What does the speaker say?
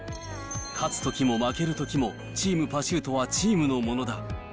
勝つときも負けるときも、チームパシュートはチームのものだ。